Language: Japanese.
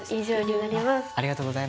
ありがとうございます。